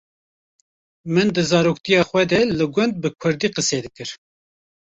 Min di zaroktiya xwe de li gund bi Kurdî qise dikir.